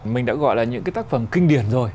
mình đã gọi là những cái tác phẩm kinh điển rồi